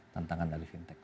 tantangan dari fintech